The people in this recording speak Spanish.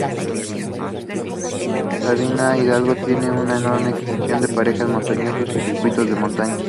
Sabinas Hidalgo tiene con una enorme extensión de parajes montañosos y circuitos de montaña.